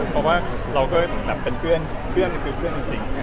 เพราะว่าเราก็เป็นเพื่อน